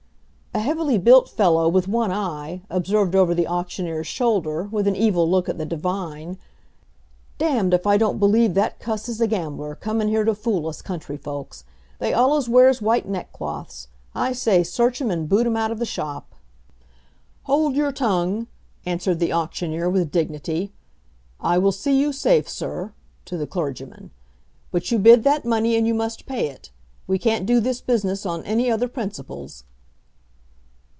A heavily built fellow with one eye, observed over the auctioneer's shoulder, with an evil look at the divine, "D d if I don't believe that cuss is a gambler, come in here to fool us country folks. They allus wears white neckcloths. I say, search him and boot him out of the shop!" "Hold your tongue!" answered the auctioneer, with dignity. "I will see you safe, Sir," to the clergyman. "But you bid that money, and you must pay it. We can't do this business on any other principles."